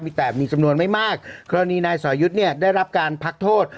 มีแต่มีจำนวนไม่มากกรณีนายสอยุทธ์เนี่ยได้รับการพักโทษ